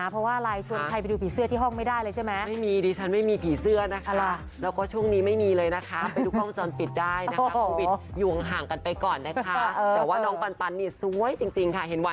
ครับนี่กลัวจะไม่สะใจไปก่อนคลิปเต็มเลยจ้ะ